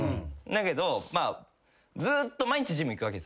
だけどずっと毎日ジム行くわけですよ。